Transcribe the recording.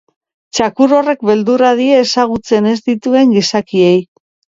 Txakur horrek beldurra die ezagutzen ez dituen gizakiei.